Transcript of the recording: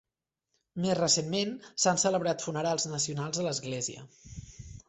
Més recentment, s'han celebrat funerals nacionals a l'església.